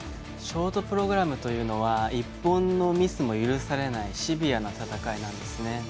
ショートプログラムというのは１本のミスも許されないシビアな戦いなんですね。